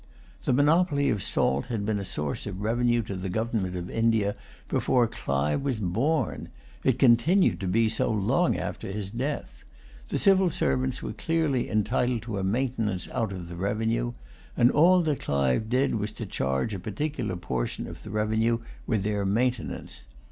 The monopoly of salt had been a source of revenue to the Government of India before Clive was born. It continued to be so long after his death. The civil servants were clearly entitled to a maintenance out of the revenue; and all that Clive did was to charge a particular portion of the revenue with their maintenance.